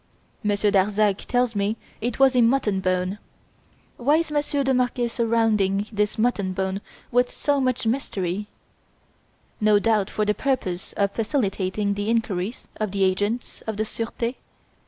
Monsieur Darzac tells me it was a mutton bone. Why is Monsieur de Marquet surrounding this mutton bone with so much mystery? No doubt for the purpose of facilitating the inquiries of the agents of the Surete?